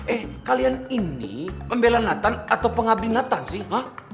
eh kalian ini pembelan nathan atau pengabin nathan sih